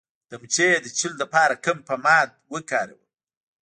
د مچۍ د چیچلو لپاره کوم ضماد وکاروم؟